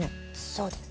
そうです。